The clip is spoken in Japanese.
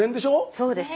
そうです。